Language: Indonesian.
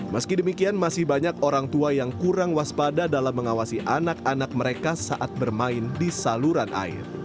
meski demikian masih banyak orang tua yang kurang waspada dalam mengawasi anak anak mereka saat bermain di saluran air